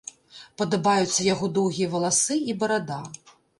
Падабаюцца яго доўгія валасы і барада.